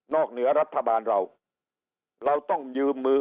เหนือรัฐบาลเราเราต้องยืมมือ